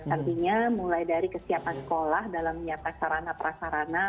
artinya mulai dari kesiapan sekolah dalam menyiapkan sarana prasarana